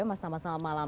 mas tama selamat malam